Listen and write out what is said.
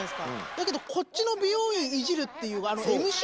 だけどこっちの美容院いじるっていうあの。